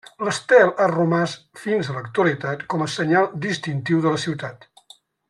L'estel ha romàs fins a l'actualitat com a senyal distintiu de la ciutat.